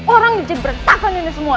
orang jadi berentakan ini semua